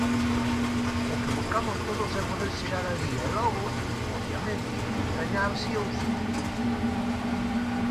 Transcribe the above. O que buscamos todos é poder chegar alí e logo, obviamente, gañar si ou si.